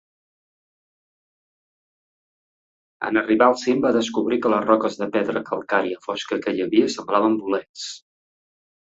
En arribar al cim, va descobrir que les roques de pedra calcària fosca que hi havia semblaven bolets.